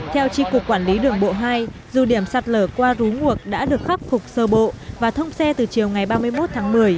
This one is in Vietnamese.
theo tri cục quản lý đường bộ hai dù điểm sạt lở qua rú nguộc đã được khắc phục sơ bộ và thông xe từ chiều ngày ba mươi một tháng một mươi